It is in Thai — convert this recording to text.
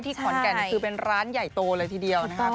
ขอนแก่นนี่คือเป็นร้านใหญ่โตเลยทีเดียวนะครับ